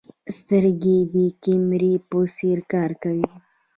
سترګې د کیمرې په څېر کار کوي.